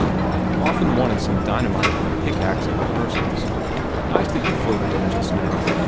I ve often wanted some dynamite or a pickax at rehearsals. Nice that you floated in just now.